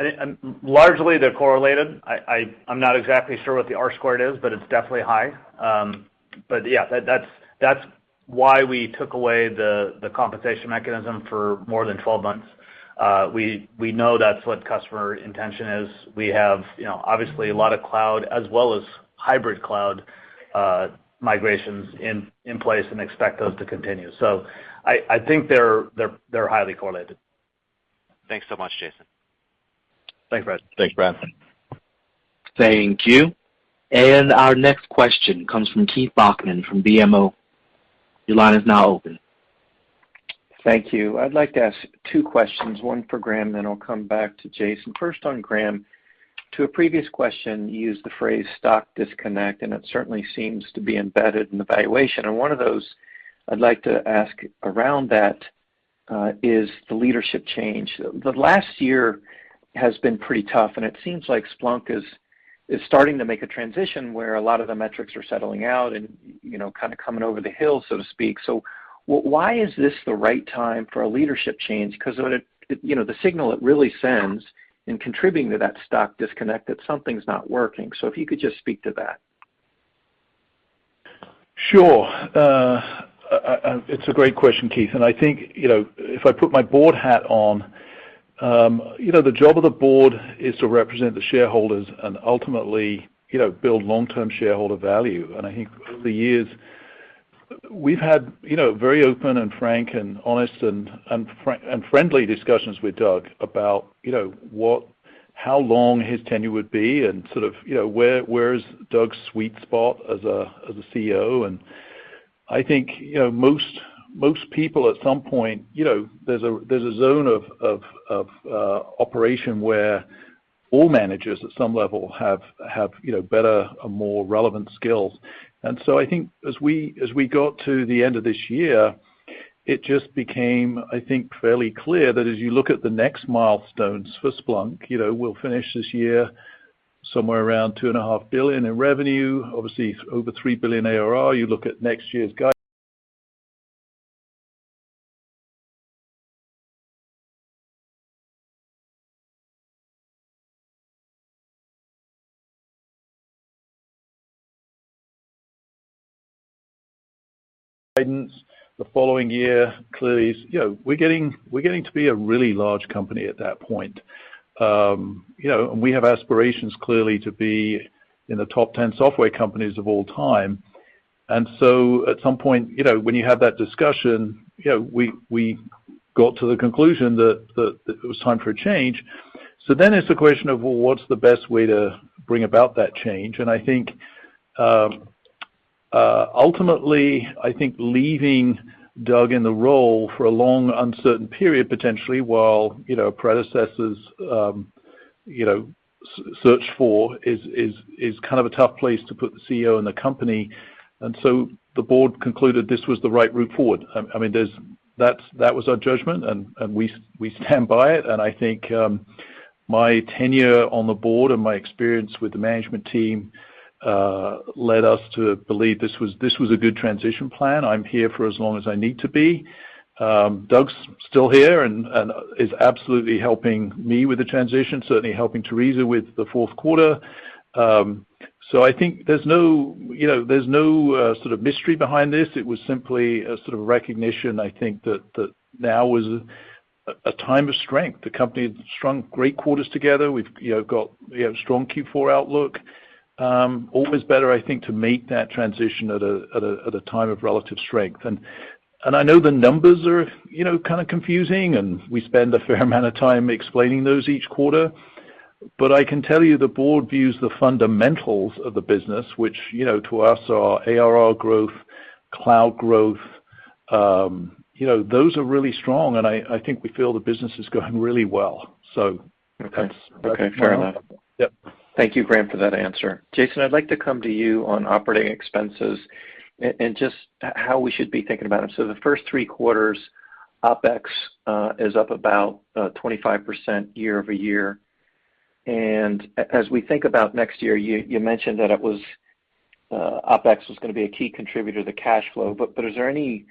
S4: I think largely they're correlated. I'm not exactly sure what the R squared is, but it's definitely high. But yeah, that's why we took away the compensation mechanism for more than 12 months. We know that's what customer intention is. We have, you know, obviously a lot of cloud as well as hybrid cloud migrations in place and expect those to continue. I think they're highly correlated.
S14: Thanks so much, Jason.
S4: Thanks, Brad.
S3: Thanks, Brad.
S1: Thank you. Our next question comes from Keith Bachman from BMO. Your line is now open.
S15: Thank you. I'd like to ask two questions, one for Graham, then I'll come back to Jason. First on Graham. To a previous question, you used the phrase stock disconnect, and it certainly seems to be embedded in the valuation. One of those I'd like to ask around that is the leadership change. The last year has been pretty tough, and it seems like Splunk is starting to make a transition where a lot of the metrics are settling out and, you know, kind of coming over the hill, so to speak. Why is this the right time for a leadership change? 'Cause, you know, the signal it really sends in contributing to that stock disconnect, that something's not working. If you could just speak to that.
S3: Sure. It's a great question, Keith. I think, you know, if I put my board hat on, you know, the job of the board is to represent the shareholders and ultimately, you know, build long-term shareholder value. I think over the years, we've had, you know, very open and frank and honest and friendly discussions with Doug about, you know, how long his tenure would be and sort of, you know, where is Doug's sweet spot as a CEO. I think, you know, most people at some point, you know, there's a zone of operation where all managers at some level have, you know, better or more relevant skills. I think as we got to the end of this year, it just became, I think, fairly clear that as you look at the next milestones for Splunk, you know, we'll finish this year somewhere around $2.5 billion in revenue, obviously over $3 billion ARR. You look at next year's guidance. The following year, clearly, you know, we're getting to be a really large company at that point. You know, we have aspirations clearly to be in the top 10 software companies of all time. At some point, you know, when you have that discussion, you know, we got to the conclusion that it was time for a change. It's the question of what's the best way to bring about that change. I think ultimately I think leaving Doug in the role for a long uncertain period potentially while the search for his successor is kind of a tough place to put the CEO and the company. The board concluded this was the right route forward. I mean that was our judgment and we stand by it. I think my tenure on the board and my experience with the management team led us to believe this was a good transition plan. I'm here for as long as I need to be. Doug's still here and is absolutely helping me with the transition certainly helping Teresa with the Q4. I think there's no you know there's no sort of mystery behind this. It was simply a sort of recognition, I think that now is a time of strength. The company has strung great quarters together. We have strong Q4 outlook. Always better, I think, to make that transition at a time of relative strength. I know the numbers are, you know, kind of confusing, and we spend a fair amount of time explaining those each quarter. I can tell you the board views the fundamentals of the business, which to us are ARR growth, cloud growth, those are really strong and I think we feel the business is going really well. That's.
S15: Okay. Fair enough.
S3: Yep.
S15: Thank you, Graham, for that answer. Jason, I'd like to come to you on operating expenses and just how we should be thinking about them. The first three quarters, OpEx is up about 25% year-over-year. As we think about next year, you mentioned that it was OpEx was gonna be a key contributor to the cash flow. Is there any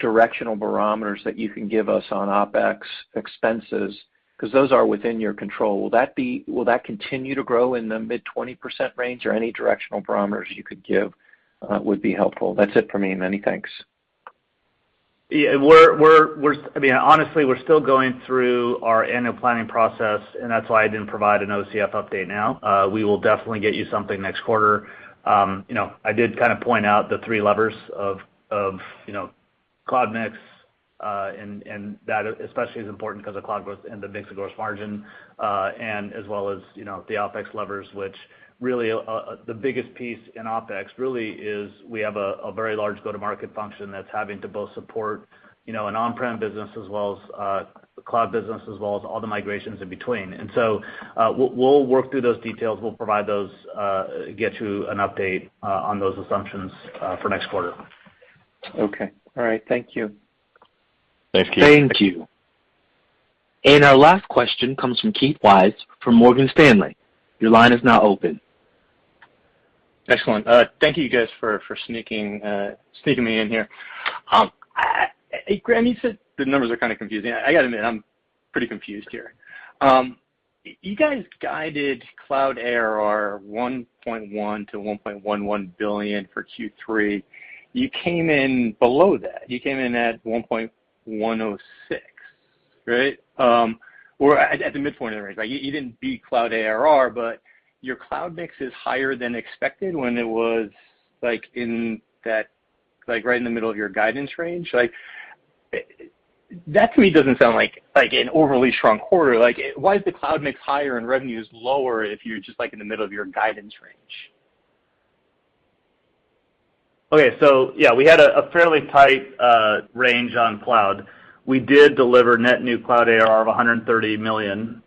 S15: directional barometers that you can give us on OpEx expenses? 'Cause those are within your control. Will that continue to grow in the mid-20% range or any directional barometers you could give would be helpful. That's it for me. Many thanks.
S4: Yeah. I mean, honestly, we're still going through our annual planning process, and that's why I didn't provide an OCF update now. We will definitely get you something next quarter. You know, I did kind of point out the three levers of you know, cloud mix, and that especially is important 'cause of cloud growth and the mix of gross margin, and as well as you know, the OpEx levers, which really the biggest piece in OpEx really is we have a very large go-to-market function that's having to both support you know, an on-prem business as well as cloud business as well as all the migrations in between. We'll work through those details. We'll provide those, get you an update on those assumptions for next quarter.
S15: Okay. All right. Thank you.
S4: Thanks, Keith.
S1: Thank you. Our last question comes from Keith Weiss from Morgan Stanley. Your line is now open.
S16: Excellent. Thank you guys for sneaking me in here. Graham, you said the numbers are kind of confusing. I gotta admit, I'm pretty confused here. You guys guided Cloud ARR $1.1 billion-$1.11 billion for Q3. You came in below that. You came in at $1.106 billion, right? Or at the midpoint of the range. Like, you didn't beat Cloud ARR, but your cloud mix is higher than expected when it was like in that like right in the middle of your guidance range. Like, that to me doesn't sound like an overly strong quarter. Like, why is the cloud mix higher and revenues lower if you're just like in the middle of your guidance range?
S4: Okay. Yeah, we had a fairly tight range on cloud. We did deliver net new Cloud ARR of $130 million,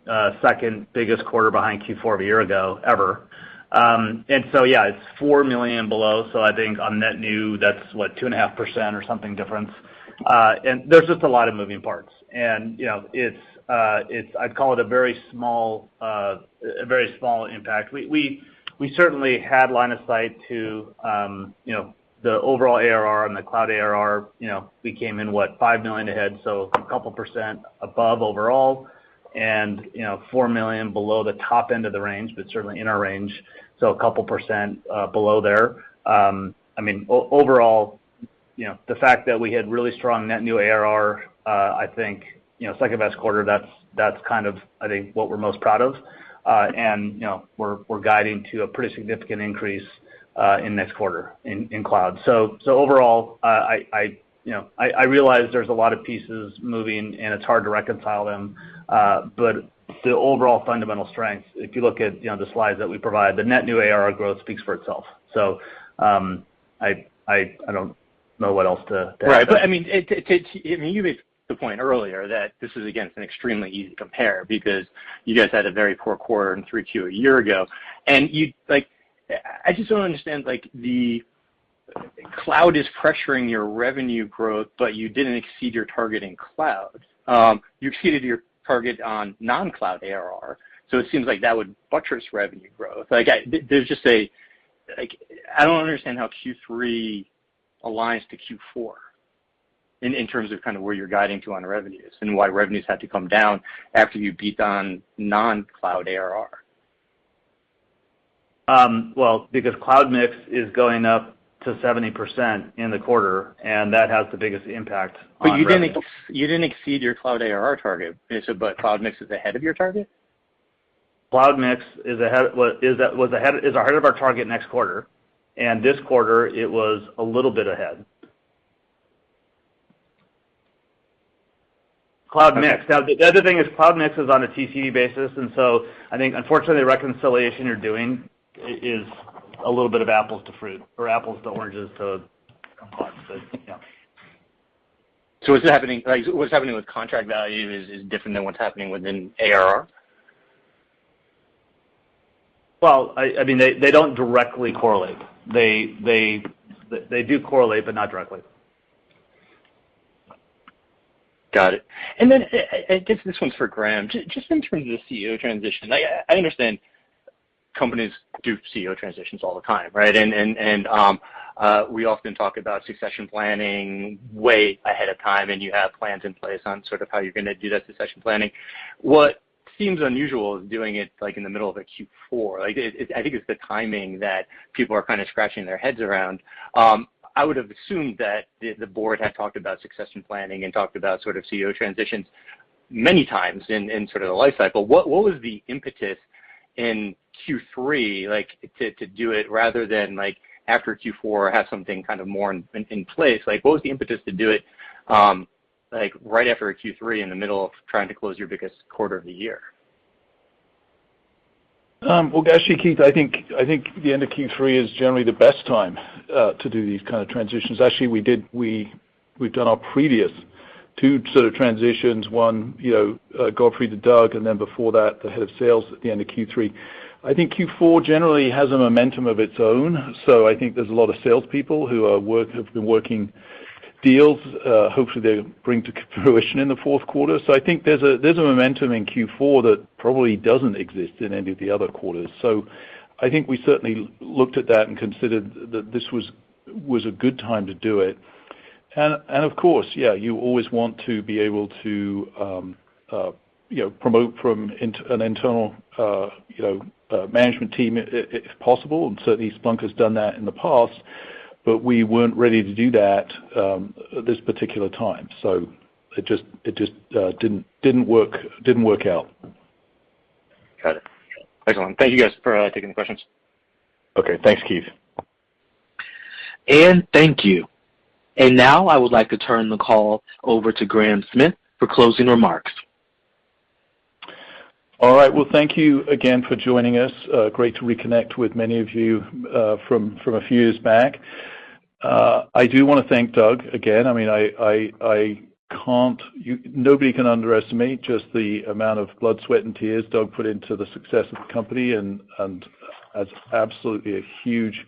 S4: second biggest quarter behind Q4 of a year ago ever. Yeah, it's $4 million below, so I think on net new, that's what, 2.5% or something difference. There's just a lot of moving parts and, you know, it's a very small impact. We certainly had line of sight to, you know, the overall ARR and the Cloud ARR. You know, we came in what? $5 million ahead, so a couple% above overall and, you know, $4 million below the top end of the range, but certainly in our range, so a couple% below there. I mean, overall, you know, the fact that we had really strong net new ARR, I think, you know, second best quarter, that's kind of, I think, what we're most proud of. You know, we're guiding to a pretty significant increase in next quarter in cloud. Overall, I you know I realize there's a lot of pieces moving, and it's hard to reconcile them. The overall fundamental strength, if you look at, you know, the slides that we provide, the net new ARR growth speaks for itself. I don't know what else to add.
S16: Right. I mean, you made the point earlier that this is again an extremely easy compare because you guys had a very poor quarter in Q3 a year ago. Like, I just don't understand, like, the cloud is pressuring your revenue growth, but you didn't exceed your target in cloud. You exceeded your target on non-cloud ARR, so it seems like that would buttress revenue growth. Like, I don't understand how Q3 aligns to Q4 in terms of kind of where you're guiding to on revenues and why revenues had to come down after you beat on non-cloud ARR.
S4: Well, because cloud mix is going up to 70% in the quarter, and that has the biggest impact on revenue.
S16: You didn't exceed your Cloud ARR target. Cloud mix is ahead of your target?
S4: Cloud mix is ahead of our target next quarter, and this quarter it was a little bit ahead. Cloud mix. Now, the other thing is cloud mix is on a TCV basis, and so I think unfortunately, the reconciliation you're doing is a little bit of apples to oranges comparisons. Yeah.
S16: What's happening, like, what's happening with contract value is different than what's happening within ARR?
S4: Well, I mean, they don't directly correlate. They do correlate, but not directly.
S16: Got it. Guess this one's for Graham. Just in terms of the CEO transition, I understand companies do CEO transitions all the time, right? We often talk about succession planning way ahead of time, and you have plans in place on sort of how you're gonna do that succession planning. What seems unusual is doing it, like, in the middle of a Q4. Like, I think it's the timing that people are kind of scratching their heads around. I would have assumed that the board had talked about succession planning and talked about sort of CEO transitions many times in sort of the life cycle. What was the impetus in Q3, like, to do it rather than, like, after Q4 have something kind of more in place? Like, what was the impetus to do it, like, right after Q3 in the middle of trying to close your biggest quarter of the year?
S3: Well, actually, Keith, I think the end of Q3 is generally the best time to do these kind of transitions. Actually, we've done our previous two sort of transitions. One, you know, Godfrey to Doug, and then before that, the head of sales at the end of Q3. I think Q4 generally has a momentum of its own, so I think there's a lot of salespeople who have been working deals, hopefully they bring to fruition in the Q4. So I think there's a momentum in Q4 that probably doesn't exist in any of the other quarters. So I think we certainly looked at that and considered that this was a good time to do it. Of course, yeah, you always want to be able to, you know, promote from an internal, you know, management team if possible, and certainly Splunk has done that in the past. We weren't ready to do that at this particular time. It just didn't work out.
S16: Got it. Excellent. Thank you guys for taking the questions.
S3: Okay. Thanks, Keith.
S1: Thank you. Now, I would like to turn the call over to Graham Smith for closing remarks.
S3: All right. Well, thank you again for joining us. Great to reconnect with many of you from a few years back. I do wanna thank Doug again. I mean, I can't. Nobody can underestimate just the amount of blood, sweat, and tears Doug put into the success of the company and that's absolutely a huge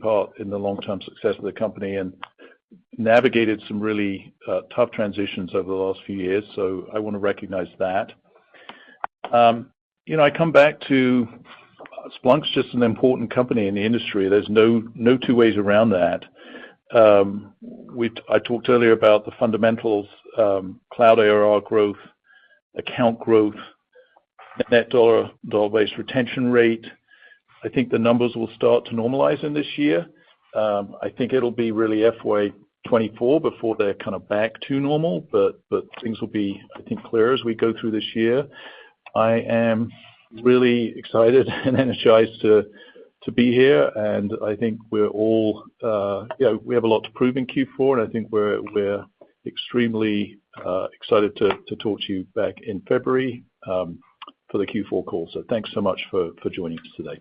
S3: part in the long-term success of the company and navigated some really tough transitions over the last few years. I wanna recognize that. You know, I come back to Splunk's just an important company in the industry. There's no two ways around that. I talked earlier about the fundamentals, cloud ARR growth, account growth, net dollar-based retention rate. I think the numbers will start to normalize in this year. I think it'll be really FY 2024 before they're kind of back to normal, but things will be, I think, clearer as we go through this year. I am really excited and energized to be here, and I think we're all, you know, we have a lot to prove in Q4, and I think we're extremely excited to talk to you back in February for the Q4 call. Thanks so much for joining us today.